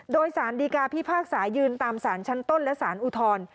โดยสารดีกาพิพากษายืนตามสารชั้นต้นและสารอุทธร